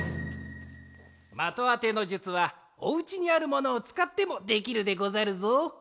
的あての術はお家にあるものをつかってもできるでござるぞ。